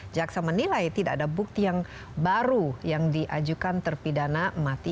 jaksa menilai tidak ada bukti yang baru yang diajukan terpidana mati